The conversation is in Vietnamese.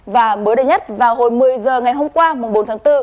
và mới đây nhất vào hồi một mươi h ngày hôm qua bốn tháng bốn